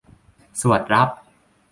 สวดรับ